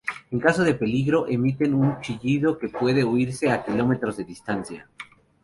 En caso de peligro emiten un chillido que puede oírse a kilómetros de distancia.